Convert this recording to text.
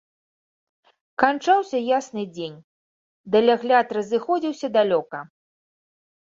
Канчаўся ясны дзень, далягляд разыходзіўся далёка.